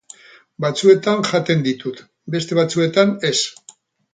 Batzuetan jaten ditut, beste batzuetan ez.